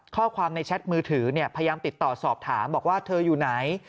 ข้อความในแชทมือถือพยายามติดต่อสอบถามบอกว่าเธออยู่ไหน